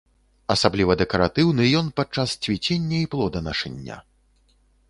Асабліва дэкаратыўны ён падчас цвіцення і плоданашэння.